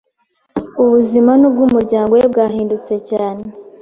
ubuzima n’ubwu muryango we bwahindutse cyane